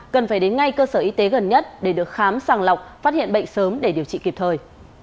cần phải đến ngay cơ sở y tế gần nhất để được khám sàng lọc phát hiện bệnh sớm để điều trị kịp thời